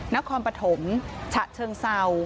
นครปฐมฉะเชิงเศร้า